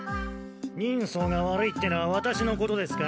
人相が悪いってのはワタシのことですか？